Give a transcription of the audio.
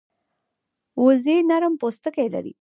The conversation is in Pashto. وزې نرم پوستکی لري